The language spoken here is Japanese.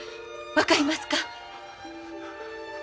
分かりますか？